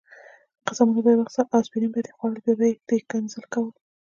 قسمونه به دې اخیستل او اسپرین به دې خوړل، بیا به دې ښکنځل کول.